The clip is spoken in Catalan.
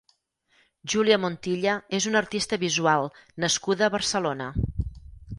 Julia Montilla és una artista visual nascuda a Barcelona.